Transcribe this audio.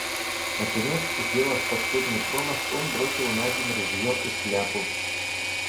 Наконец, сделав постыдный промах, он бросил наземь ружье и шляпу.